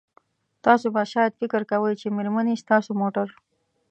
تاسو به شاید فکر کوئ چې میرمنې ستاسو موټر